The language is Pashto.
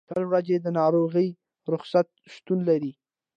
شل ورځې د ناروغۍ رخصتۍ شتون لري.